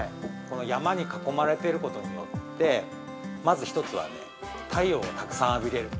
◆山に囲まれていることによってまず１つはね太陽をたくさん浴びれる。